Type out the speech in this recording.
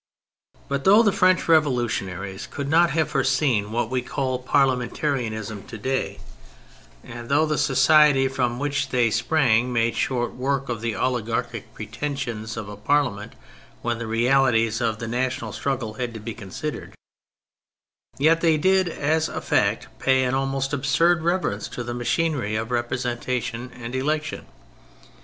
But though the French revolutionaries THE POLITICAL THEORY 27 could not have foreseen what we call *' Parliamentarism " to day, and though the society from which they sprang made shoii: work of the oligarchic pretensions of a parliament when the realities of the national struggle had to be considered, yet they did as a fact pay an almost absurd reverence to the machinery of representation and election.